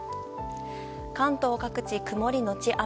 関東各地、曇りのち雨。